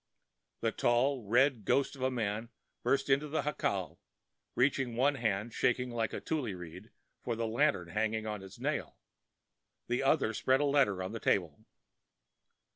The tall, red ghost of a man burst into the jacal, reaching one hand, shaking like a tule reed, for the lantern hanging on its nail. The other spread a letter on the table.